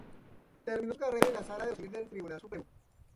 Terminó su carrera en la Sala de lo Civil del Tribunal Supremo.